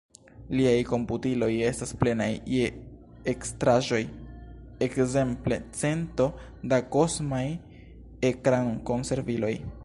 Liaj komputiloj estaj plenaj je ekstraĵoj, ekzemple cento da kosmaj ekrankonserviloj!